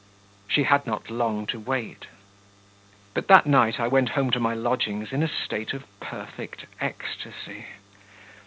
She had not long to wait. But that night I went home to my lodgings in a state of perfect ecstasy.